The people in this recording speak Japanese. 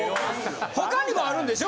他にもあるんでしょ？